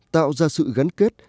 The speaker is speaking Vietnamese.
tạo ra sự gắn kết